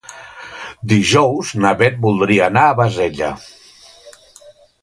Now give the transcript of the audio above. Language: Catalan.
Dijous na Bet voldria anar a Bassella.